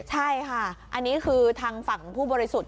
ใช่ค่ะอันนี้คือทางฝั่งผู้บริสุทธิ์